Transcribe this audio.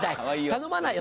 頼まないよ